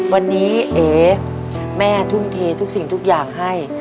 วันนี้เอแม่ทุ่มเททุกสิ่งทุกอย่างให้